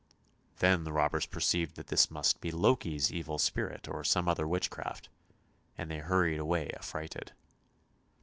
Then the robbers perceived that this must be Loki's evil spirit, or some other witchcraft, and they hurried away affrighted.